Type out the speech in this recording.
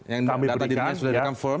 yang data di dunia sudah rekam firm